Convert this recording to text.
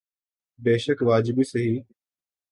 بیشک واجبی سہی۔